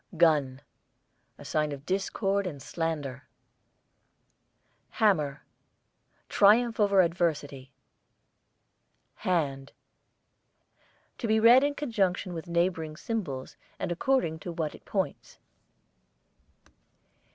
GUN, a sign of discord and slander. HAMMER, triumph over adversity. HAND, to be read in conjunction with neighbouring symbols and according to what it points.